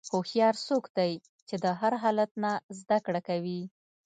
هوښیار څوک دی چې د هر حالت نه زدهکړه کوي.